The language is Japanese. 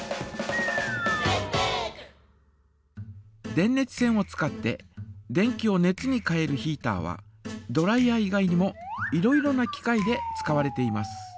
電熱線を使って電気を熱に変えるヒータはドライヤー以外にもいろいろな機械で使われています。